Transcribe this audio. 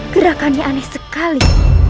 gerakannya aneh sekali